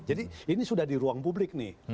ini sudah di ruang publik nih